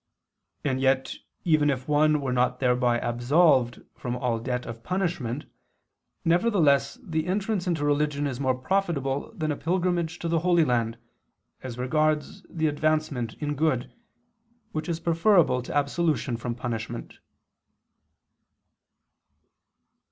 And yet even if one were not thereby absolved from all debt of punishment, nevertheless the entrance into religion is more profitable than a pilgrimage to the Holy Land, as regards the advancement in good, which is preferable to absolution from punishment.